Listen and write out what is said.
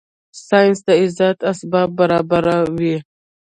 ساینس د عزت اسباب برابره وي